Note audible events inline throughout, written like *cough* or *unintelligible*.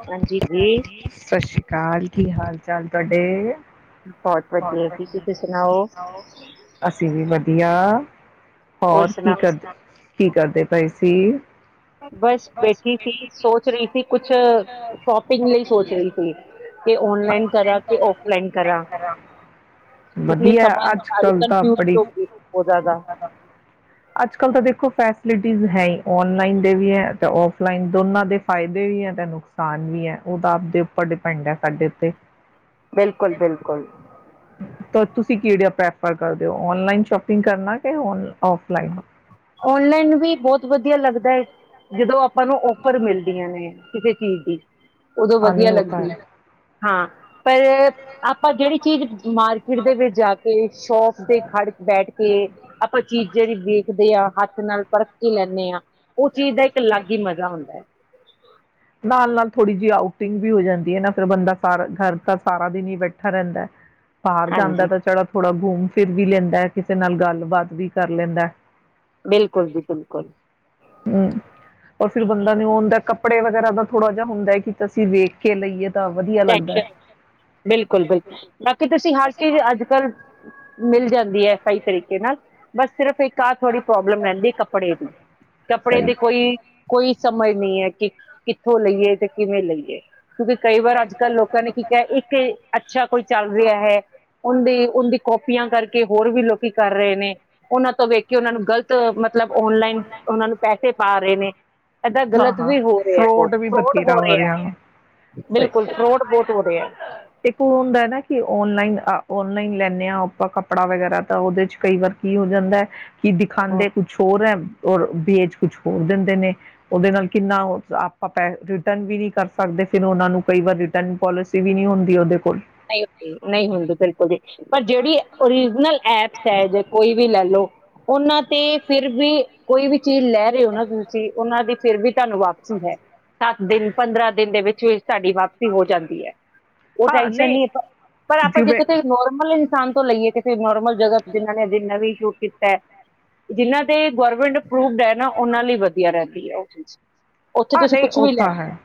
ਜੀ ਸਤਿ ਸ੍ਰੀ ਅਕਾਲ ਕੀ ਹਾਲ ਕੀ ਹਾਲ ਤੁਹਾਡੇ? ਬਹੁਤ ਵਧੀਆ ਜੀ ਤੁਸੀਂ ਸੁਣਾਓ ਅਸੀਂ ਵੀ ਵਧੀਆ। ਹੋਰ ਕੀ ਕਰਦੇ। ਕੀ ਕਰਦੇ ਪਾਏ ਸੀ। ਬਸ ਬੈਠੀ ਸੀ, ਸੋਚ ਰਹੀ ਸੀ ਕੁੱਛ‌। ਸੀ ਕਿ ਔਨਲਾਈਨ ਕਰਾਂ ਕਿ ਔਫਲਾਈਨ ਕਰਾਂ ਇਸ ਲਈ ਵਧਿਆ ਸਮਝ ਅੱਜ ਨਹੀਂ ਆ ਰਹੀ ਕੱਲ, ਤਾਂ ਕਨਫਿਊਜ ਬੜੀ ਹੋ ਗਈ ਸੀ ਬਹੁਤ ਜ਼ਿਆਦਾ ਅਜੱ ਕੱਲ ਤਾਦ ਦੇਖੋ। ਫੈਸਿਲਿਟੀਜ਼ ਹੈ ਹੀ ਔਨਲਾਈਨ ਦੇ ਵੀ ਹੈ, ਅਤੇ ਔਫਲਾਈਨ ਦੋਨਾਂ ਦੇ ਫਾਇਦੇ ਵੀ ਹੈ। ਨੁਕਸਾਨ ਵੀ ਹੈ, ਉਹ ਤਾਂ ਆਪਦੇ ਉੱਪਰ ਡਿਪੈਂਡ ਹੈ ਸਾਡੇ ਉੱਤੇ। ਬਿਲਕੁਲ ਬਿਲਕੁਲ ਤੁਸੀਂ ਕਿਹੜੇ ਪਸੰਦ ਕਰ ਦਿਓ ਔਨਲਾਈਨ ਸ਼ੋਪਿੰਗ ਕਰਨਾ ਕਿ ਔਨਲਾਈਨ ਉਨਲਾਈਨ ਵੀ ਬਹੁਤ ਵਧੀਆ ਲੱਗਦਾ ਹੈ। ਜਦੋਂ ਆਪਾਂ ਨੂੰ ਔਫਰ ਮਿਲਦੀਆਂ ਨੇ ਕਿਸੇ ਚੀਜ਼ ਦੀ ਉਦੋਂ ਹਾਂ ਵਧੀਆ ਨਹੀਂ ਉਹ ਤਾਂ ਲੱਗਦੀ‌। ਹੈ। ਹਾਂ। ਪਰ ਆਪਾਂ ਜਿਹੜੀ ਚੀਜ਼ ਮਾਰਕੀਟ ਦੇ ਵਿੱਚ ਜਾ ਕੇ ਸੌਪ ਦੇ ਸੌ ਖੜ ਬੈਠ ਕੇ ਕੈਟਰੀ ਆਪਾਂ ਚੀਜ਼ ਜਿਹੜੀ ਵੇਖਦੇ ਆ ਹੱਥ ਨਾਲ ਪਰਖ ਕੇ ਲੈਦੇ। ਦੇ ਹਾਂ ਉਹ ਚੀਜ਼ ਦਾ ਇੱਕ ਅਲੱਗ ਹੀ ਮਜ਼ਾ ਹੁੰਦਾ ਹੈ। ਨਾਲ ਨਾਲ ਥੋੜ੍ਹੀ ਜਿਹੀ ਆਊਟਿੰਗ ਵੀ ਹੋ ਜਾਂਦੀ ਹੈ ਨਾ ਫਿਰ ਬੰਦਾ ਸਾਰਾ ਦਿਨ ਘਰ ਤਾਂ ਹੀ ਬੈਠਾ ਰਹਿੰਦਾ ਹੈ। ਬਾਹਰ ਜਾਂਦਾ ਹਾਂਜੀ ਤਾ ਥੋੜਾ ਘੁੰਮ ਲੈਂਦੇ ਫਿਰ ਵੀ ਲੈਂਦਾ ਹੈ, ਕਿਸੇ ਨਾਲ ਗੱਲਬਾਤ ਵੀ ਕਰ ਲੈਂਦਾ। ਬਿਲਕੁਲ ਜੀ ਬਿਲਕੁਲ। ਹੂ ਪਰ ਫਿਰ ਬੰਦਾ ਨੀ ਆਂਦਾ ਕੱਪੜੇ ਵਗੈਰਾ ਦਾ ਥੋੜਾ ਜਿਹਾ ਹੁੰਦਾ ਹੈ, ਕਿ ਅਸੀਂ ਵੇਖ ਲਈਏ। ਤਾਂ ਵਧੀਆ ਲੱਗਦਾ ਹੈ। ਬਿਲਕੁਲ-ਬਿਲਕੁਲ ਬਾਕੀ, ਤੁਸੀਂ ਹਰ ਚੀਜ਼ ਅੱਜ ਕੱਲ੍ਹ ਮਿਲ ਜਾਂਦੀ। ਸਹੀ ਹੈ, ਸਹੀ ਤਰੀਕੇ ਨਾਲ ਬਸ ਸਿਰਫ ਇੱਕ ਤਾਂ ਥੋੜ੍ਹੀ ਪ੍ਰੋਬਲਮ ਰਹਿੰਦੀ ਕੱਪੜੇ ਦੀ, ਕੱਪੜੇ ਸਹੀ। ਦੇ ਕੋਈ ਕੋਈ ਸਮਝ ਨਹੀਂ ਹੈ, ਕਿ ਕਿੱਥੋਂ ਲਈਏ ਤੇ, ਕਿਵੇਂ ਲਈਏ। ਕਿਉਂਕਿ ਕਈ ਵਾਰ ਅੱਜ ਕਲ੍ਹ ਲੋਕਾਂ ਨੇ ਕੀ ਕਿਹਾ ਇੱਕ ਅੱਛਾ, ਕੋਈ ਚੱਲ ਰਿਹਾ ਹੈ ਉਹਦੀ -ਉਹਦੀ ਕਾਪੀਆਂ ਕਰਕੇ ਹੋਰ ਵੀ ਲੋਕੀ ਕਰ ਰਹੇ ਨੇ ਉਹਨਾਂ! ਤੋਂ ਵੇਖ ਕੇ ਉਹਨਾਂ ਨੂੰ ਗ਼ਲਤ ਮਤਲਬ ਔਨਲਾਈਨ ਉਹਨਾਂ ਨੂੰ ਪੈਸੇ ਪਾ ਰਹੇ ਨੇ, ਏਦਾਂ ਹਾਂ ਗ਼ਲਤ ਹਾਂ ਵੀ ਹੋ ਰਿਹਾ ਆ ਬਹੁਤ ਫਰੋਡ ਵੀ ਫਰੋਡ ਹੋ ਬਥੇਰਾ ਰਹੇ ਆ, ਰਿਹਾ ਵਾ ਸਹੀ ਬਿਲਕੁਲ। ਬਹੁਤ ਹੋ ਰਿਹਾ। ਇੱਕ ਉਹ ਹੁੰਦਾ ਨਾ, ਕਿ ਔਨਲਾਈਨ ਅ ਔਨਲਾਈਨ ਲੈਂਦੇ ਹਾਂ ਆਪਾਂ ਕੱਪੜਾ ਵਗੈਰਾ, ਤਾਂ ਉਹਦੇ ਚ ਕਈ ਵਾਰ ਕੀ ਹੋ ਜਾਂਦਾ ਹੈ ਕੀ ਦਿਖਾਉਂਦੇ ਕੁਛ ਹੋਰ ਹੈ। ਔਰ ਭੇਜ ਕੁਛ ਹੋਰ ਦਿੰਦੇ ਨੇ, ਉਹਦੇ ਨਾਲ ਕਿੰਨਾ ਆਪਾਂ ਪੈਨ ਰਿਟਰਨ ਵੀ ਨਹੀਂ ਕਰ ਸਕਦੇ, ਫਿਰ ਉਹਨਾਂ ਨੂੰ ਕਈ ਵਾਰ ਰਿਟਰਨ ਪੋਲਿਸੀ ਵੀ ਨਹੀਂ ਹੁੰਦੀ। *unintelligible* ਨਹੀਂ ਹੁੰਦੀ, ਨਹੀਂ ਹੁੰਦੀ, ਬਿਲਕੁਲ ਜੀ। ਪਰ ਜਿਹੜੀ ਓਰੀਜਨਲ ਐਪਸ ਜੇ ਕੋਈ ਵੀ ਲੈ ਲਓ, ਉਹਨਾਂ ਤੇ ਫਿਰ ਵੀ ਕੋਈ ਵੀ ਚੀਜ਼ ਲੈ ਰਹੇ ਹੋ ਨਾ ਤੁਸੀਂ, ਉਹਨਾਂ ਦੀ ਫਿਰ ਵੀ ਤਾਨੂੰ ਵਾਪਸੀ ਹੈ। ਦਸ ਦਿਨ, ਪੰਦਰਾਂ ਦਿਨ ਦੇ ਵਿੱਚ- ਵਿੱਚ, ਤਾਡੀ ਵਾਪਸੀ ਹੋ ਜਾਂਦੀ ਹੈ। ਹਾਂ *unintelligible* ਨਹੀਂ ਜਾਂਦੀ ਹੈ ਪਰ ਆਪਾਂ ਜੇ ਜਿਵੇਂ ਤੁਸੀਂ ਨੋਰਮਲ ਥਾਨ ਤੋਂ ਲਈਏ ਜੇ ਫੇਰ ਨੋਰਮਲ ਜਗ੍ਹਾ ਤੇ ਜਿਨ੍ਹਾਂ ਨੇ ਜਿਨ੍ਹਾਂ ਵੀ ਸ਼ੂਟ ਕੀਤੈ ਜਿਹਨਾਂ ਤੇ ਗੌਰਮੈਂਟ ਅਪਰੂਵਡ ਹੈ ਨਾ, ਉਹਨਾਂ ਲਈ ਵਧੀਆ ਰਹਿੰਦੀ ਹੈ ਉਹ ਚੀਜ਼ ਉੱਥੇ ਹਾਂ, ਤੁਸੀਂ ਨਹੀਂ ਕੁਛ ਉਹ ਵੀ ਲੈ ਤਾਂ ਹੈ,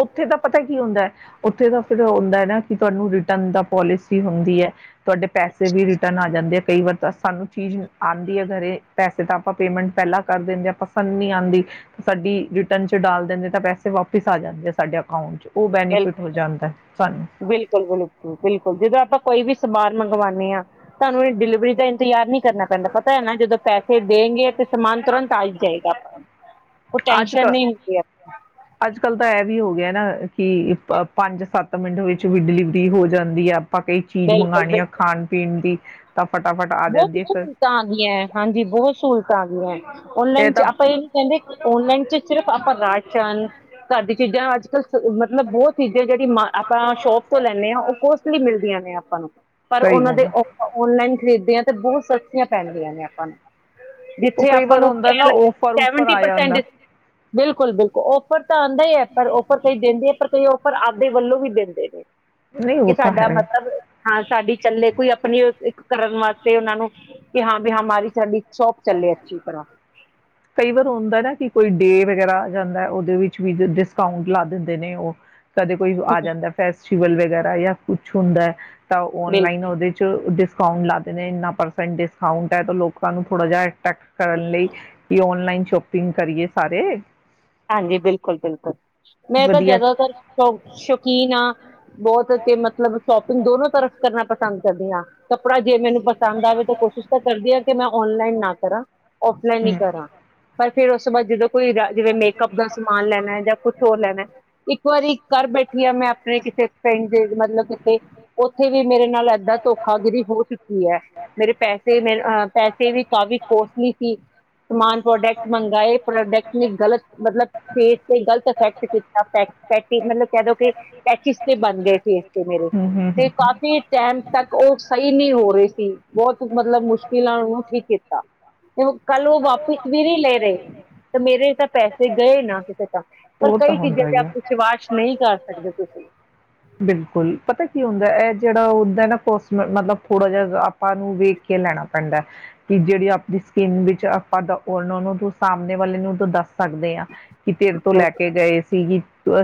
ਉੱਥੇ ਤਾਂ ਪਤਾ ਕੀ ਹੁੰਦਾ। ਉੱਥੇ ਤਾਂ ਫਿਰ ਓ ਹੁੰਦਾ ਨਾ ਕਿ ਤੁਹਾਨੂੰ ਰਿਟਰਨ ਦਾ ਪੋਲਿਸੀ ਹੁੰਦੀ ਹੈ ਤੁਹਾਡੇ ਪੈਸੇ ਵੀ ਰਿਟਰਨ ਆ ਜਾਂਦੇ ਆ ਕਈ ਵਾਰ ਤਾਂ ਸਾਨੂੰ ਚੀਜ਼ ਆਉਂਦੀ ਹੈ ਘਰੇ ਪੈਸੇ ਤਾਂ ਆਪਾਂ ਪੇਮੈਂਟ ਪਹਿਲਾਂ ਕਰ ਦਿੰਦੇ ਪਸੰਦ ਨਹੀਂ ਆਉਂਦੀ ਸਾਡੀ ਰੀ ਟਰਨ ਚ ਡਾਲ ਦਿੰਦੇ ਤਾਂ ਪੈਸੇ ਵਾਪਿਸ ਆ ਜਾਂਦੇ ਆ ਸਾਡੇ ਅਕਾਊਂਂਟ ਚ ਉਹ ਬੈਨੀਫਿਟ ਹੋ ਜਾਂਦਾ ਸਾਨੂੰ ਬਿਲਕੁਲ ਬਿਲਕੁਲ ਬਿਲਕੁਲ ਬਿਲਕੁਲ ਜਿਦਾ ਆਪਾਂ ਕੋਈ ਵੀ ਸਮਾਨ ਮੰਗਵਾਉਂਨੇ ਹਾਂ ਤੁਹਾਨੂੰ ਇਹ ਡਿਲੀਵਰੀ ਦਾ ਇੰਤਜ਼ਾਰ ਨਹੀਂ ਕਰਨਾ ਪੈਂਦਾ ਪਰ ਪਤਾ ਹੈ ਨਾ ਜਦੋਂ ਪੈਸੇ ਦੇਂਗੇ ਤੇ ਸਮਾਨ ਤੁਰੰਤ ਆ ਈ ਜਾਏਗਾ ਪਰ ਉਹ ਅੱਜ ਟੈਸ਼ਨ ਕ ਨਹੀਂ ਹੁੰਦੀ ਆਪਾਂ ਅੱਜ ਕੱਲ੍ਹ ਤਾਂ ਇਹ ਵੀ ਹੋ ਗਿਆ ਨਾ ਕਿ ਪੰਜ ਸੱਤ ਮਿੰਟ ਵਿੱਚ ਵੀ ਡਿਲੀਵਰੀ ਹੋ ਜਾਂਦੀ ਆ। ਆਪਾਂ ਕਈ ਚੀਜ਼ ਬਿਲਕੁਲ ਮੰਗਵਾਉਣੀ ਆ ਬਿਲਕੁਲ ਖਾਣ ਪੀਣ ਦੀ ਤਾਂ ਫਟਾਫਟ ਆ ਬਹੁਤ ਜਾਂਦੀ ਹੈ ਫਿਰ ਸਹੂਲਤਾਂ ਆਉਂਦੀਆਂ ਹੈ। ਹਾਂਜੀ, ਬਹੁਤ ਸਹੂਲਤਾਂ ਆ ਗਈਐ ਅਜ ਔਨਲਾਈਨ 'ਚ ਆਪਾਂ ਇਹ ਨੀ ਕਹਿੰਦੇ ਔਨਲਾਈਨ' ਚ ਸਿਰਫ ਆਪਾਂ ਰਾਸ਼ਨ ਘਰ ਦੀ ਚੀਜ਼ਾਂ ਅੱਜ ਕੱਲ੍ਹ ਮਤਲਬ ਬਹੁਤ ਚੀਜ਼ਾਂ ਜਿਹੜੀ ਮ ਆਪਾਂ ਸ਼ੋਪ ਤੋਂ ਲੈਂਦੇ ਹਾਂ ਉਹ ਕੁਛ ਫ਼ਰੀ ਮਿਲਦੀਆਂ ਨੇ ਆਪਾਂ ਨੂੰ। ਪਰ ਸਹੀ ਉਹਨਾਂ ਗੱਲ ਦੇ ਹੈ ਆਫ਼ਰ ਆਨਲਾਈਨ ਖਰੀਦਦੇ ਆਂ ਤੇ ਬਹੁਤ ਸਸਤੀਆਂ ਪੈਂਣਦੀਆਂ ਨੇ ਆਪਾਂ ਨੂੰ। ਉਹ ਜਿੱਥੇ ਕਈ ਆਪਾਂ ਵਾਰ ਨੂੰ ਹੁੰਦਾ ਨਾ ਲੱ ਓਫਰ ਉਫਰ ਸੇਵੇਟੀ ਆ ਪਰਸੈਂਟ ਜਾਂਦਾ ਡਿਸਕੌਂਟ ਬਿਲਕੁਲ- ਬਿਲਕੁਲ ਓਫਰ ਤਾਂ ਆਉਂਦਾ ਹੀ ਹੈ ਪਰ ਆਫਰ ਕਈ ਦਿੰਦੇ ਹੈ ਪਰ ਕਈ ਆਫਰ ਆਵਦੇ ਵੱਲੋਂ ਵੀ ਦਿੰਦੇ ਨੇ। ਨਹੀਂ ਉਹ ਕਿ ਤਾਂ ਸਾਡਾ ਹੈ ਮਤਲਬ ਹਾਂ ਸਾਡੀ ਚੱਲੇ ਕੋਈ ਆਪਣੀ ਕਰਨ ਵਾਸਤੇ ਉਹਨਾਂ ਨੂੰ ਕਿ ਹਾਂ ਹੁਮਾਰੀ ਸਾਡੀ ਸ਼ੋਪ ਚੱਲੇ ਅੱਛੀ ਤਰ੍ਹਾਂ। ਕਈ ਵਾਰ ਹੁੰਦਾ ਨਾ ਕਿ ਕੋਈ ਡੇ ਵਗੈਰਾ ਆ ਜਾਂਦਾ ਉਹਦੇ ਵਿੱਚ ਵੀ ਡਿਸਕਾਊਂਟ ਲਾ ਦਿੰਦੇ ਨੇ ਉਹ। ਕਦੇ ਕੋਈ ਆ ਜਾਂਦਾ ਫੈਸ ਵਲ ਵਗੈਰਾ ਯਾ ਕੁੱਛ ਹੁੰਦਾ ਹੈ। ਤਾਂ ਬਿਲਕੁਲ ਆਨਲਾਈਨ ਉਹਦੇ ਚ ਡਿਸਕਾਊਂਟ ਲਾਦੇ ਨੇ ਇੰਨਾ ਪਰਸੈਂਟ ਡਿਸਕਾਊਂਟ ਹੈ ਤਾਂ ਲੋਕਾਂ ਨੂੰ ਥੋੜਾ ਜਿਹਾ ਅਟਰੈਕਟ ਕਰਨ ਲਈ ਕਿ ਆਨਲਾਈਨ ਸ਼ੋਪਿੰਗ ਕਰੀਏ ਸਾਰੇ। ਹਾਂਜੀ, ਬਿਲਕੁਲ-ਬਿਲਕੁਲ ਮੈਂ ਤਾਂ ਵਧੀਆ ਜਦੋਂ ਤੋਂ ਸ਼ੁਕੀਨ ਹਾਂ। ਬਹੁਤ ਅੱਛੇ ਮਤਲਬ ਸ਼ੋਪਿੰਗ ਦੋਨੋ ਤਰਫ ਕਰਨਾ। ਪਸੰਦ ਕਰਦੀ ਹਾਂ, ਕੱਪੜਾ ਜੇ ਮੈਨੂੰ ਪਸੰਦ ਆਵੇ ਤਾਂ ਕੋਸ਼ਿਸ਼ ਤਾਂ ਕਰਦੀ ਆ ਕਿ ਮੈਂ ਆਨਲਾਈਨ ਨਾ ਕਰਾਂ, ਔਫਲਾਈਨ ਹੀ ਹੂੰ ਕਰਾਂ ਪਰ ਫੇਰ *unintelligible* ਬਾ ਜਦੋਂ ਕੋਈ ਰੈਗੁਲਰ ਨੀ, ਕੱਪ ਦਾ ਸਮਾਨ ਲੈਣਾ ਜਾਂ ਕੁੱਛ ਹੋਰ ਲੈਣਾ। ਇੱਕ ਵਾਰੀ ਘਰ ਬੈਠੀ ਆ ਮੈਂ ਆਪਣੇ ਕਿਸੇ ਫਿੰਡ ਦੇ ਮਤਲਬ ਕਿਤੇ ਉੱਥੇ ਵੀ ਮੇਰੇ ਨਾਲ ਇਦਾਂ ਧੋਖਾ ਗਿਰੀ ਹੋ ਚੁੱਕੀ ਹੈ, ਮੇਰੇ ਪੈਸੇ ਮੇ ਅਹ ਪੈਸੇ ਵੀ ਕਾਫ਼ੀ ਕੋਸਟਲੀ ਸੀ, ਸਮਾਨ ਪ੍ਰੋਡਕਟ ਮੰਗਵਾਏ ਪ੍ਰੋਡਕਟ ਨੇ ਗ਼ਲਤ ਮਤਲਬ ਫੇਸ ਤੇ ਗ਼ਲਤ ਇਫੈਕਟ ਕੀਤਾ, ਮਤਲਬ ਕਹਿ ਦੋ ਕਿ ਪੈਚਿਸ ਤੇ ਬਣ ਗਏ ਸੀ। ਮੇਰੇ ਹੂੰ ਹੂੰ ਹੂੰ ਤੇ ਹੂੰ ਕਾਫੀ ਟੈਮ ਤੱਕ ਉਹ ਸਹੀ ਨਹੀਂ ਹੋ ਰਹੀ ਸੀ ਬਹੁਤ ਮਤਲਬ ਮੁਸ਼ਕਿਲਾਂ ਉਹਨੂੰ ਠੀਕ ਕੀਤਾ, ਕੱਲ੍ਹ ਹੁਣ ਉਹ ਵਾਪਿਸ ਵੀ ਨਹੀਂ ਲੈ ਰਹੇ ਤੇ ਮੇਰੇ ਤਾਂ ਪੈਸੇ ਤੇ ਗਏ ਨਾ ਕਿਤੇੇ ਤਾਂ। ਪਰ ਉਹ ਤਾਂ ਕਈ ਚੀਜ਼ਾਂ ਤੇ ਆਪ ਵਿਸ਼ਵਾਸ਼ ਨਹੀਂ ਕਰਦੇ। *unintelligible* ਬਿਲਕੁਲ ਪਤਾ ਕੀ ਹੁੰਦਾ ਇਹ ਜਿਹੜਾ ਹੁੰਦਾ ਕੋਸਮੇਟ ਥੋੜਾ ਜਿਹਾ ਆਪਾਂ ਨੂੰ ਵੇਖ ਕੇ ਲੈਣਾ ਪੈਂਦਾ, ਕਿ ਜਿਹੜੀ ਆਪਣੀ ਸਕਿਨ ਵਿੱਚ ਆਪਾਂ ਦਾ ਨਾ ਉਹਨੂੰ ਸਾਹਮਣੇ ਵਾਲੇ ਨੂੰ ਤਾਂ ਦੱਸ ਸਕਦੇ ਹਾਂ। ਕਿ ਤੇਰੇ ਤੋਂ ਲੈ ਕੇ ਗਏ ਸੀ।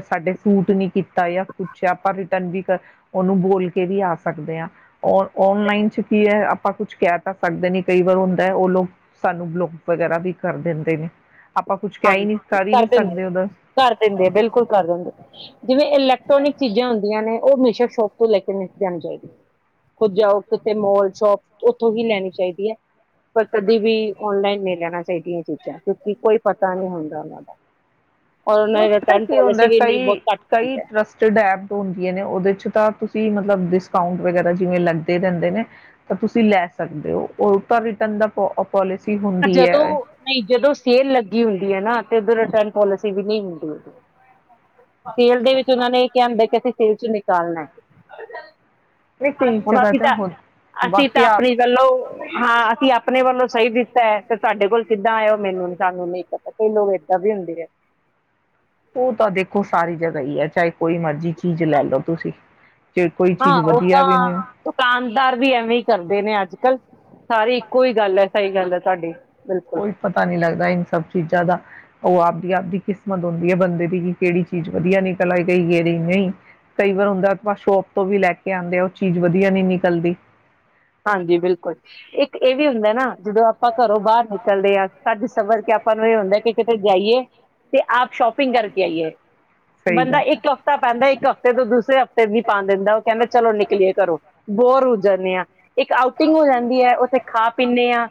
ਸਾਡੇ ਸੂਟ ਨੀ ਕੀਤਾ ਜਾਂ ਫਿ ਆਪਾਂ ਰਿਟਰਨ ਵੀ ਕਰ ਉਹਨੂੰ ਬੋਲ ਕੇ ਵੀ ਆ ਸਕਦੇ ਹਾਂ ਓਨਲਾਈਨ ਚ ਕੀ ਐ, ਆਪਾਂ ਕੁਛ ਕਹਿ ਤਾਂ ਸਕਦੇ ਨੇ ਕਈ ਵਾਰ ਹੁੰਦਾ ਉਹ ਲੋਕ ਸਾਨੂੰ ਬਲੋਕ ਵਗੈਰਾ ਵੀ ਕਰ ਦਿੰਦੇ ਨੇ। ਆਪਾਂ ਕੁਛ ਕਹਿ ਹੀ ਨਹੀਂ ਹਾਂਜੀ ਹੀ ਕਰ ਨਹੀਂ ਦਿੰਦੇ ਸਕਦੇ ਉਹਦਾ ਆ ਦਿੰਦੇ ਆ ਬਿਲਕੁਲ ਕਰ ਦਿੰਦੇ ਜਿਵੇਂ ਇਲੈਕਟ੍ਰੋਨਿਕ ਚੀਜ਼ਾਂ ਹੁੰਦੀਆਂ ਨੇ ਉਹ ਮਿਸ਼ਰ ਸ਼ੋਪ ਤੋਂ ਲੈ ਕੇ ਨੀ ਜਾਣੀ ਚਾਹੀਦੀ, ਖੁੱਦ ਜਾਓ ਕਿਤੇ ਮੋਲ, ਸ਼ੋਪ ਉੱਥੋਂ ਹੀ ਲੈਣੀ ਚਾਹੀਦੀ ਹੈ। ਪਰ ਕਦੀ ਵੀ ਔਨਲਾਈਨ ਨਹੀਂ ਲੈਣਾ ਚਾਹੀਦੀਆਂ ਚੀਜ਼ਾਂ ਕਿਉਂਕਿ ਕੋਈ ਪਤਾ ਨਹੀ ਹੁੰਦਾ ਉਹਨਾਂ ਦਾ ਔਰ ਉਹਨਾਂ ਨਈ ਦੀ ਪਤਾਂ ਰਿਟਰਨ ਕੀ ਹੁੰਦਾ ਪੋਲਿਸੀ ਵੀ ਨਹੀਂ ਕਈ ਬਹੁਤ ਘੱਟ ਕਈ ਹੁੰਦੀ ਹੈ ਰਸਟਡ ਐਪ ਹੁੰਦੀਆਂ ਨੇ ਉਹਦੇ ਉਹ ਤਾਂ ਤੁਸੀਂ ਮਤਲਬ ਡਿਸਕਾਊਂਟ ਵਗੈਰਾ ਜਿਵੇਂ ਲੱਗਦੇ ਰਹਿੰਦੇ ਨੇ ਤੁਸੀਂ ਲੈ ਸਕਦੇ ਹੋ ਤਾਂ ਉਹ ਤਾਂ ਪੋਲਿਸੀ ਪਰ ਹੁੰਦੀ ਜਦੋਂ ਹੈ। ਨਹੀਂ ਜਦੋਂ ਸੇਲ ਲੱਗੀ ਹੁੰਦੀ ਹੈ ਨਾ ਉਧਰ ਰਿਟਰਨ ਪੋਲਿਸੀ ਵੀ ਨਹੀਂ ਹੁੰਦੀ ਤੇੇਲ ਦੇ ਵਿੱਚ ਉਹਨਾਂ ਨੇ ਇਹ ਕਿਹਾ ਹੁੰਦਾ ਕਿ ਅਸੀਂ ਤੇਲ ਉਹ ਚੋ ਨਿਕਾਲ ਨੈ ਨਹੀਂ ਕਈ ਹੁਣ ਜਗ੍ਹਾ ਅਸੀਂ ਤਾਂ ਹੋ ਅਸੀਂ ਤਾਂ ਬਾਕੀ ਆਪ ਆਪਣੇ ਵੱਲੋਂ ਹਾਂ ਅਸੀਂ ਆਪਣੇ ਵੱਲੋਂ ਸਹੀ ਦਿੱ ਤੇ ਸਾਡੇ ਕੋਲ ਕਿੱਦਾਂ ਆਇਓ ਮੈਨੂੰ ਸਾਨੂੰ ਨਹੀਂ ਪਤਾ ਕਈ ਲੋਕ ਏਦਾਂ ਵੀ ਹੁੰਦੇ ਐ। ਉਹ ਤਾਂ ਦੇਖੋ ਸਾਰੇ ਜ਼ਿਆਦਾ ਹੀ ਹੈ ਚਾਹੇ ਕੋਈ ਮਰਜ਼ੀ ਚੀਜ਼ ਲੈ ਲਓ ਤੁਸੀਂ ਜੇ ਕੋਈ ਹਾਂ ਚੀਜ਼ ਉਹ ਵਧੀਆ ਤਾਂ ਵੀ ਮਿਲ ਦੁਕਾਨਦਾਰ ਵੀ ਐਵੇਂ ਹੀ ਕਰਦੇ ਨੇ, ਅੱਜ- ਕੱਲ ਸਾਰੀ ਇੱਕੋ ਹੀ ਗੱਲ ਐ। ਸਹੀ ਗੱਲ ਹੈ ਤੁਹਾਡੀ ਬਿਲਕੁਲ ਕੋਈ ਪਤਾ ਨੀ ਲੱਗਦਾ ਇਨ ਸਭ ਚੀਜ਼ਾਂ ਦਾ ਉਹ ਆਪ ਆਪਦੀ ਕਿਸਮਤ ਹੁੰਦੀ ਹੈ ਬੰਦੇ ਦੀ ਕਿ ਕਿਹੜੀ ਚੀਜ਼ ਵਧੀਆ ਨਿਕਲ ਆ ਗਈ ਤੇ ਕਿਹੜੀ ਨਹੀਂ ਕਈ ਵਾਰ ਹੁੰਦਾ ਆਪਾਂ ਸ਼ੋਪ ਤੋਂ ਵੀ ਲੈ ਕੇ ਆਂਦੇ ਆਂ ਉਹ ਚੀਜ਼ ਵਧੀਆ ਨੀ ਨਿਕਲਦੀ ਹਾਂਜੀ, ਬਿਲਕੁਲ ਇੱਕ ਇਹ ਵੀ ਹੁੰਦਾ ਨਾ ਜਦੋਂ ਆਪਾਂ ਘਰੋਂ ਬਾਹਰ ਨਿਕਲਦੇ ਆ ਸੱਜ ਸਵਰ ਕੇ ਆਪ ਆਪਾਂ ਨੂੰ ਇਹ ਹੁੰਦਾ ਕਿ ਕਿਤੇ ਜਾਈਏ ਤੇ ਆਪ ਸ਼ੋਪ ਪਿੰਗ ਕਰਕੇ ਆਈਏ ਸਹੀ ਬੰਦਾ ਗੱਲ ਇੱਕ ਹੈ ਹਫ਼ਤਾ ਪੈਂਦਾ ਇੱਕ ਹਫ਼ਤੇ ਤੋਂ ਦੂਸਰੇ ਹਫ਼ਤੇ ਵੀ ਪਾਣ ਨਹੀ ਦਿੰਦਾ, ਉਹ ਕਹਿੰਦਾ ਚਲੋ ਨਿਕਲੀਏ ਘਰੋਂ ਬੋਰ ਹੋ ਜਾਨੇ ਆਂ ਇੱਕ ਆਊਟਿੰਗ ਹੋ ਜਾਂਦੀ ਹੈ ਉੱਥੇ ਖਾ ਪੀਂਦੇ ਹਾਂ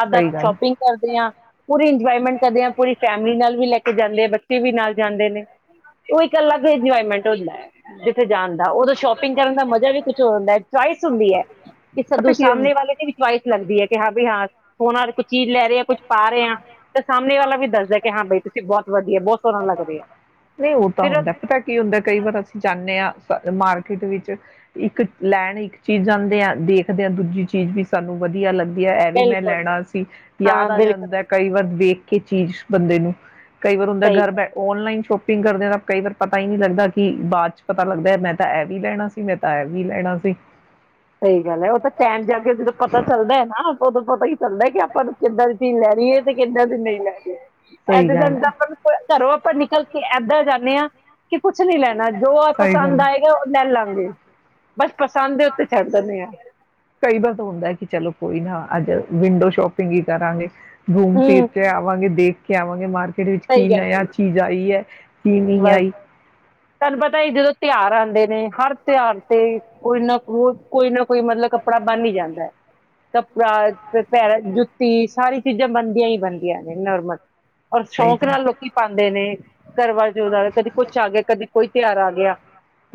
ਆਪਦਾ ਸਹੀ ਗੱਲ ਸ਼ੋਪਿੰਗ ਕਰਦੇ ਹਾਂ ਪੂਰੀ ਇੰਜੋਏਮੈਂਟ ਕਰਦੇ ਹਾਂ, ਪੂਰੀ ਫੈਮਿਲੀ ਨਾਲ ਵੀ ਲੈ ਜਾਂਦੇ ਆ ਬੱਚੇ ਵੀ ਨਾਲ ਜਾਂਦੇ ਨੇ ਉਹ ਇੱਕਲਾ ਕੋਈ ਇੰਜੋਇਮੈਂਟ ਹੁੰਦਾ ਹੈ, ਜਿੱਥੇ ਜਾਣ ਦਾ ਉਦੋਂ ਸ਼ੋਪਿੰਗ ਕਰਨ ਦਾ ਮਜ਼ਾ ਵੀ ਕੁਛ ਹੋਰ ਹੁੰਦਾ ਚੁਆਇਸ ਹੁੰਦੀ ਹੈ। ਸਦੂ ਪਤਾ ਕੀ ਹੁੰ ਸਾਹਮਣੇ ਵਾਲੇ ਦੀ ਵੀ ਚੁਆਇਸ ਲੱਗਦੀ ਹੈ ਕਿ ਹਾਂ, *unintelligible* ਆ ਕੁਛ ਪਾ ਰਹੇ ਆ ਤੇ ਸਾਹਮਣੇ ਵਾਲਾ ਵੀ ਦੱਸਦਾ ਕਿ ਹਾਂ ਬਈ ਤੁਸੀਂ ਬਹੁਤ ਵਧੀਆ ਬਹੁਤ ਸੋਹਣਾ ਲੱਗ ਰਹੇ ਆ ਨਹੀਂ ਉਹ ਤਾਂ ਫਿਰ ਹੁੰਦਾ ਪਤਾ ਕੀ ਹੁੰਦਾ ਕਈ ਵਾਰ ਅਸੀਂ ਜਾਂਨੇ ਆ ਮਾਰ ਖਿਤੇ ਵਿੱਚ ਇੱਕ ਲੈਣ ਇੱਕ ਚੀਜ਼ ਜਾਂਦੇ ਆ ਦੇਖਦੇ ਆ ਦੂਜੀ ਚੀਜ਼ ਵੀ ਸਾਨੂੰ ਵਧੀਆ ਲੱਗ ਵਧੀਆ ਇਹ ਵੀ ਮੈਂ ਬਿਲਕੁਲ ਲੈਣਾ ਸੀ। ਹਾਂ ਯਾਦ ਆ ਜਾਂਦਾ ਬਿਲਕੁਲ ਕਈ ਵਾਰ, ਦੇੇਖ ਕੇ ਚੀਜ਼ ਬੰਦੇ ਨੂੰ, ਕਈ ਵਾਰ ਹੁੰਦਾ ਸਹੀ ਘਰ ਬੈ ਔਨਲਾਈਨ ਸ਼ੋਪਿੰਗ ਕਰਦੇ ਦਾ ਕਈ ਵਾਰ ਪਤਾ ਹੀ ਨੀ ਲੱਗਦਾ ਕਿ ਬਾਅਦ ਚ ਪਤਾ ਲੱਗਦਾ ਮੈਂ ਤਾਂ ਇਹ ਵੀ ਲੈਣਾ ਸੀ ਮੈਂ ਤਾਂ ਇਹ ਵੀ ਲੈਣਾ ਸੀ। ਸਹੀ ਗੱਲ ਹੈ ਉਹ ਤਾਂ ਟੈਮ ਜਾ ਕੇ ਜਦੋਂ ਪਤਾ ਚੱਲਦਾ ਹੈ ਨਾ ਉਦੋਂ ਪਤਾ ਹੀ ਕਰਦਾ ਕਿ ਆਪਾਂ ਨੂੰ ਕਿੱਦਾਂ ਦੀ ਚੀ ਲੈ, ਵੀ ਇਹ ਤੇ ਕਿੱਦਾਂ ਵੀ ਨਹੀਂ ਲੈਦੇ। ਸਹੀ ਐਦਾ ਤਾਂ ਗੱਲ ਹੈ ਆਪਾਂ ਘਰੋ, ਆਪਾਂ ਨਿਕਲ ਕੇ ਇੱਦਾਂ ਜਾਂਨੇ ਆ। ਕਿ ਕੁਛ ਨੀ ਲੈਣਾ ਜੋ ਸਹੀ ਪਸੰਦ ਗੱਲ ਹੈ ਆਏਗਾ ਉਹ ਲੈਲਾਂਗੇ। ਬਸ ਪਸੰਦ, ਉੱਤੇ ਛੱਡ ਦਿੰਦੇ ਆ ਕਈ ਵਾਰ ਤਾਂ ਹੁੰਦਾ ਕਿ ਚਲੋ ਕੋਈ ਨਾ ਅੱਜ ਵਿੰਡੋ ਸ਼ੋਪਿੰਗ ਹੀ ਕਰਾਂਗੇ। ਘੁੰਮ ਫਿਰ ਹੂੰ ਕੇ ਆਵਾਂਗੇ ਦੇਖ। ਕੇ ਆਵਾਂਗੇ ਮਾਰ ਕੇ, ਜਿਹਦੇ ਵਿੱਚ ਕੀ ਸਹੀ ਗੱਲ ਨਈ ਹੈ ਚੀਜ਼ ਆਈ ਐ। ਬਸ ਤੁਹਾਨੂੰ ਪਤਾ ਹੀ ਜਦੋਂ, ਤਿਉਹਾਰ ਆਦੇ ਨੇ ਹਰ ਤਿਉਹਾਰ ਤੇ ਕੋਈ ਨਾ ਕੋਈ ਨਾ ਕੋਈ ਮਤਲਬ ਕੱਪੜਾ ਬੰਨ ਨਈ ਜਾਂਦਾ ਐ। ਕੱਪੜਾ ਪੈਰਾਂ ਜੁੱਤੀ ਸਾਰੀ ਚੀਜ਼ਾਂ ਬਣਦੀਆਂ ਹੀ ਬਣਦੀਆਂ ਨੇ ਨੋਰਮਲ, ਔਰ ਸਹੀ ਸ਼ੌਕ ਗੱਲ ਨਾਲ ਲੋਕੀ ਪਾਦੇ ਨੇ, ਘਰ ਵੱਲ ਉਦਾ ਕਦੀ ਕੁਛ ਆ ਗਿਆ ਕਦੀ ਕੋਈ ਤਿਹਾਰ ਆ ਗਿਆ।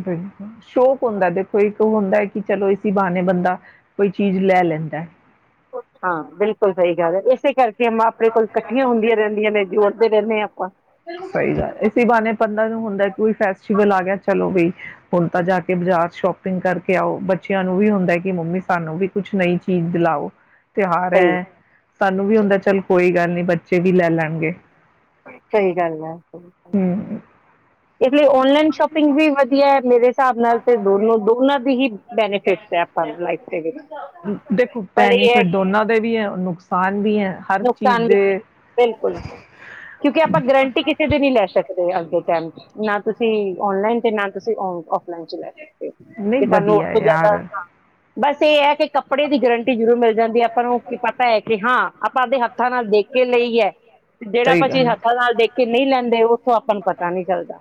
ਬਿਲਕੁਲ ਸ਼ੌਕ ਹੁੰਦਾ ਦੇਖੋ ਇੱਕ ਹੁੰਦਾ ਹੈ ਕਿ ਚਲੋ ਇਸ ਸੀ ਬਾਹਨੇ ਬੰਦਾ ਕੋਈ ਚੀਜ਼ ਲੈ ਲੈਂਦਾ। ਹਾਂ ਬਿਲਕੁਲ ਸਹੀ ਗੱਲ ਹੈ ਇਸੇ ਕਰਕੇ ਗੇਮਾਂ ਆਪਣੇ ਕੋਲ ਇਕੱਠੀਆਂ ਹੁੰਦੀਆਂ ਰਹਿੰਦੀਆਂ ਨੇ, ਜੋੜਦੇ ਰਹਿੰਦੇ ਹਾਂ ਆਪਾਂ- ਸਹੀ ਗੱਲ ਇਸੀ ਬਹਾਣੇ ਬੰਦਾ ਨੂੰ ਹੁੰਦਾ ਕੋਈ ਫੈਸਟੀਵਲ ਆ ਗਿਆ, ਚਲੋ ਵੀ ਹੁਣ ਤਾਂ ਜਾ ਕੇ ਬਾਜ਼ਾਰ ਸ਼ੋਪ- ਪਿੰਗ ਕਰਕੇ ਆਓ ਬੱਚਿਆਂ ਨੂੰ ਵੀ ਹੁੰਦਾ ਕਿ ਮੰਮੀ ਸਾਨੂੰ ਵੀ ਕੁਛ ਨਈ ਚੀਜ਼ ਦਿਲਾਓ ਤਿਉਹਾਰ ਸਹੀ ਹੈ ਸਾਨੂੰ ਵੀ ਹੁੰਦਾ ਚੱਲ ਕੋਈ ਗੱਲ ਬੱਚੇ ਵੀ ਲੈ ਲੈਣਗੇ। *inaudible* ਸਹੀ ਗੱਲ ਏ। ਹੂੰ। ਇਸ ਲਈ ਔਨਲਾਈਨ ਸ਼ੋਪਿੰਗ ਵੀ ਵਧੀਆ ਹੈ ਮੇਰੇ ਹਿਸਾਬ ਨਾਲ ਤੇ ਦੋਨੋਂ ਦੋਨਾਂ ਦੀ ਹੀ ਬੈਨੀਫਿਟਸ ਆਪਾਂ ਨੂੰ ਲਾਈਫ ਦੇ ਵਿੱਚ ਦੇਖੋ ਪਰ ਇਹ ਹੈ ਬੈਨੀਫਿਟ ਦੋਨਾਂ ਦੇ ਵੀ ਹੈ, ਨੁਕਸਾਨ ਵੀ ਹੈ, ਹਰ ਚੀਜ਼ ਨੁਕਸਾਨ ਵੀ ਦੇ- ਬਿਲਕੁਲ ਕਿਉਂਕਿ ਆਪਾਂ ਗਰੰਟੀ ਕਿਸੇ ਦੀ ਨਹੀਂ ਲੈ ਅੱਗੇ ਕਹਿਣ- ਨਾ ਤੁਸੀਂ ਔਨਲਾਈਨ ਤੇ ਨਾ ਤੁਸੀਂ ਉਫਲਾਈਨ ਚ ਲੈ ਨਹੀਂ ਕਿ ਸਾਨੂੰ ਵਧੀਆ ਉਥੋਂ ਜ਼ਿਆਦਾ ਯਾਰ ਹਾਂ- ਬਸ ਇਹ ਹੈ ਕਿ ਕੱਪੜੇ ਦੀ ਗਰੰਟੀ ਜ਼ਰੂਰ ਮਿਲ- ਜਾਂਦੀ ਆਪਾਂ ਨੂੰ ਕੀ ਪਤਾ ਏ ਤੇ ਹਾਂ ਆਪਾਂ ਆਪਦੇ ਹੱਥਾਂ ਨਾਲ ਦੇਖ ਕੇ ਲਈਏ ਜਿਹੜਾ ਸਹੀ ਆਪਾਂ ਚੀਜ਼ ਗੱਲ ਹੈ। ਹੱਥਾਂ ਨਾਲ ਦੇਖ ਕੇ ਨਹੀਂ ਲੈਂਦੇ ਉਹ ਓ ਆਪਾਂ ਨੂੰ ਪਤਾ ਨੀ- ਚਲਦਾ-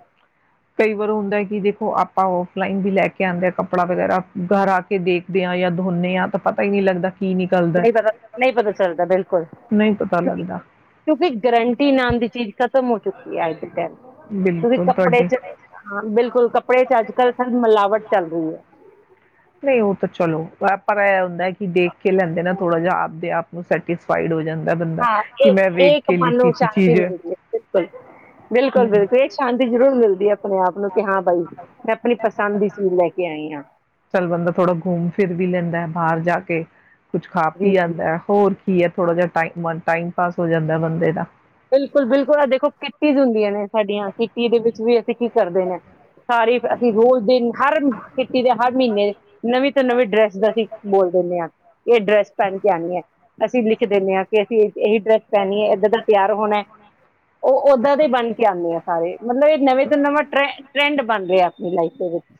ਕਈ ਵਾਰ ਹੁੰਦਾ ਕਿ ਦੇਖੋ ਆਪਾਂ ਔਫਲਾਈਨ ਵੀ ਲੈ ਕੇ ਆਦੇ ਹਾ ਕੱਪੜਾ ਵਗੈਰਾ ਘਰ ਆ ਕੇ ਦੇਖਦੇ ਹਾਂ ਜਾਂ ਧੋਂਦੇ ਹਾਂ ਤਾਂ ਪਤਾ ਹੀ ਨੀ ਲੱਗਦਾ- ਕੀ ਨਿਕਲਦਾ ਹੈ। ਨਹੀਂ ਪਤਾ ਨਹੀਂ ਪਤਾ ਚੱਲਦਾ ਬਿਲਕੁਲ ਨਹੀਂ ਪਤਾ ਕਿਉਕਿ ਲੱਗਦਾ ਕਿਉਂਕਿ ਗਰੰਟੀ ਨਾਮ ਦੀ ਚੀਜ਼ ਖਤਮ- ਹੋ ਚੁੱਕੀ ਹੈ ਅੱਜ ਦੇ ਟਾਇਮ ਚ- ਤੁਸੀਂ ਬਿਲਕੁਲ ਕੱਪੜੇ ਤੁਹਾਡੀ ਚ ਹਾਂ ਬਿਲਕੁਲ- ਕੱਪੜੇ ਚ ਅੱਜ ਕੱਲ੍ਹ ਸ ਮਿਲਾਵਟ- ਚੱਲ ਰਹੀ ਏ ਨਹੀਂ ਉਹ ਤਾਂ ਚਲੋ ਪਰ ਇਹ ਹੁੰਦਾ ਕਿ ਦੇਖ ਕੇ ਲੈਂਦੇ ਨਾ ਥੋੜਾ ਜਿਹਾ ਆਪਦੇ ਆਪ ਨੂੰ ਸੈਟਿਸਫਾਈਡ ਹੋ ਜਾਂਦਾ- ਬੰਦਾ ਹਾਂ ਕਿ ਇਹ ਮੈਂ ਵੇਖ ਇੱਕ ਕੇ ਮਨ ਲਿੱਤੀ ਨੂੰ ਸੀ ਸ਼ਾਂਤੀ ਚੀਜ਼ ਮਿਲਦੀ ਹੈ ਬਿਲਕੁਲ ਬਿਲਕੁਲ ਹੂੰ ਬਿਲਕੁਲ ਇਹ ਸ਼ਾਂਤੀ ਜ਼ਰੂਰ ਮਿਲਦੀ ਹੈ। ਆਪਣੇ ਆਪ ਨੂੰ ਕਿ ਹਾਂ ਬਾਈ ਮੈਂ ਆਪਣੀ ਪਸੰਦ ਦੀ ਚੀਜ਼ ਲੈ ਕੇ ਆਈ ਆ। ਚੱਲ ਬੰਦਾ ਥੋੜ੍ਹਾ ਘੁੰਮ ਫਿਰ ਵੀ ਲੈਂਦਾ ਹੈ ਬਾਹਰ ਜਾ ਕੇ- ਕੁਛ ਖਾ ਪੀ ਜੀ ਆਂਦਾ ਹੋਰ ਕੀ ਏ ਥੋੜਾ ਜਿਹਾ ਟਾਈ ਟਾਈਮ ਪਾਸ ਹੋ ਜਾਂਦਾ ਬੰਦੇ ਦਾ- ਬਿਲਕੁਲ- ਬਿਲਕੁਲ ਆ ਦੇਖੋ ਕਿੱਟੀਜ਼ ਹੁੰਦੀਆਂ ਨੇ- ਸਾਡੀਆਂ ਕਿੱਟੀ ਦੇ ਵਿੱਚ ਵੀ ਅਸੀਂ ਕੀ ਕਰਦੇ ਨੇ। ਤਾਰੀਫ਼ ਅਸੀਂ ਰੋਜ਼ ਦਿਨ ਹਰ ਛੁੱਟੀ ਦੇ ਹਰ ਮਹੀਨੇ ਨਵੀਂ ਤੋਂ, ਨਵੀਂ ਡਰੈਸ ਦਾ ਅਸੀਂ ਬੋਲ ਦਿੰਦੇ ਆ। ਇਹ ਡਰੈਸ ਪੈਣ ਕੇ ਆਉਣੀ ਐਂ। ਅਸੀਂ ਲਿਖ ਦਿੰਦੇ ਆ, ਕਿ ਅਸੀਂ ਇਹੀ ਡਰੈਸ ਪੈਣੀ, ਇਦਾਂ ਦਾ ਤਿਆਰ ਹੋਣਾ, ਉਹ ਓਦਾਂ ਦੇ ਬਣ ਕੇ ਆਉਂਦੇ ਆ ਸਾਰੇ, ਮਤਲਬ ਇਹ ਨਵੇਂ ਤੋਂ ਨਵਾਂ ਟਰ ਟਰੈਂਡ ਬਣ ਰਿਹਾ। ਮਿਲ ਆਈ।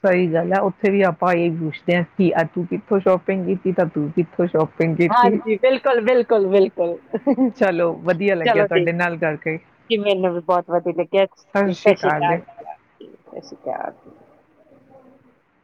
ਸਹੀ ਗੱਲ, ਉੱਥੇ ਵੀ ਆਪਾਂ ਇਹੀ ਪੁੱਛਦੇ ਐ। ਕਿ ਆ ਤੂੰ ਕਿੱਥੋਂ ਸ਼ੋਪਿੰਗ ਕੀਤੀ, ਤਾਂ ਤੂੰ ਕਿੱਥੋਂ ਸ਼ੋਪਿੰ ਹਾਂਜੀ ਬਿਲਕੁਲ ਬਿਲਕੁਲ ਬਿਲਕੁਲ ਚਲੋ ਵਧੀਆ ਲੱਗਿਆ ਚਲੋ ਜੀ, ਤੁਹਾਡੇ ਨਾਲ ਕਰਕੇ ਮੈਨੂੰ ਵੀ ਬਹੁਤ ਵਧੀਆ ਲੱਗਿਆ ਸਤਿ ਸ਼੍ਰੀ ਅਕਾਲ ਜੀ ਸਤਿ ਸ਼੍ਰੀ ਅਕਾਲ। *unintelligible*